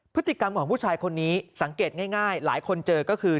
พฤติกรรมของผู้ชายคนนี้สังเกตง่ายหลายคนเจอก็คือ